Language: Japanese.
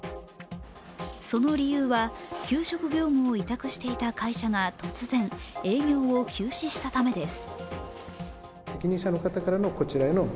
その理由は、給食業務を委託していた会社が突然、営業を休止したためです。